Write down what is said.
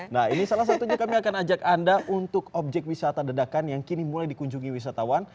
nah ini salah satunya kami akan ajak anda untuk objek wisata dadakan yang kini mulai dikunjungi wisatawan